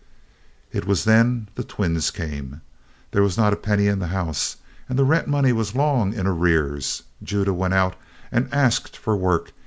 It was then the twins came. There was not a penny in the house, and the rent money was long in arrears. Judah went out and asked for work.